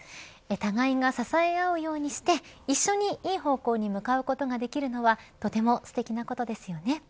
互いが支え合うようにして一緒にいい方向に向かうことができるのはとてもすてきなことですよね。